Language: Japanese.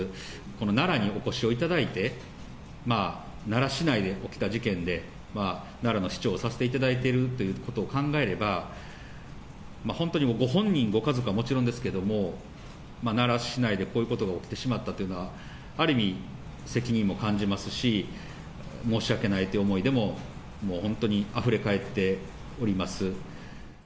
この奈良にお越しをいただいて、奈良市内で起きた事件で、奈良の市長をさせていただいているということを考えれば、本当にご本人、ご家族はもちろんですけれども、奈良市内でこういうことが起きてしまったというのは、ある意味、責任も感じますし、申し訳ないという思いで、もう本当に、あふれ返っております。